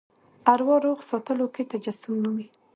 اروا روغ ساتلو کې تجسم مومي.